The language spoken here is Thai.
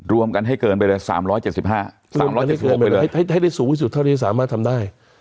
รวมกันให้เกินไปเลย๓๗๕๓๗รวมไปเลยให้ได้สูงที่สุดเท่าที่สามารถทำได้